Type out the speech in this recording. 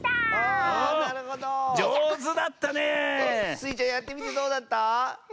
スイちゃんやってみてどうだった？